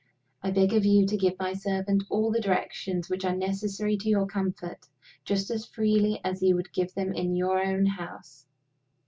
I beg of you to give my servant all the directions which are necessary to your comfort, just as freely as you could give them in your own house."